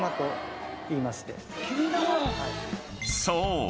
［そう。